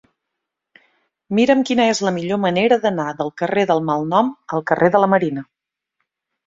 Mira'm quina és la millor manera d'anar del carrer del Malnom al carrer de la Marina.